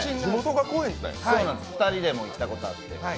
２人でも来たことがあって。